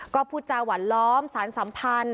ก็พูดจาหวานล้อมสารสัมพันธ์